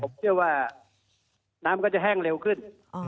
ผมเชื่อว่าน้ำก็จะแห้งเร็วขึ้น